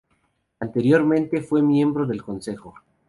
Anteriormente, fue miembro del consejo.